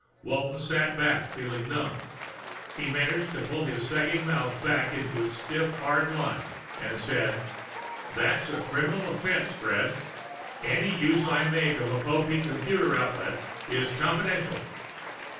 Walton sat back, feeling numb. He managed to pull his sagging mouth back into a stiff hard line and say, "That's a criminal offense, Fred. Any use I make of a Popeek computer outlet is confidential."